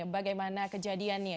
bagaimana kejadian ini